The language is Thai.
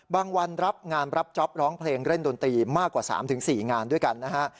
วันรับงานรับจ๊อปร้องเพลงเล่นดนตรีมากกว่า๓๔งานด้วยกันนะฮะ